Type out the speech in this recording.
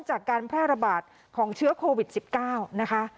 จากการแพร่ระบาดของเชื้อโควิด๑๙นะคะ